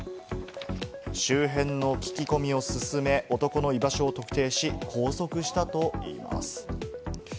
周辺の聞き込みを進め、男の居場所を特定し、拘束したといいます。